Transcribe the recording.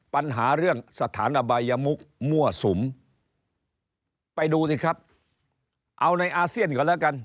ปัญหาเรื่องสถานอบายมุกมั่วสุมไปดูสิครับเอาในอาเซียนก่อนแล้วกัน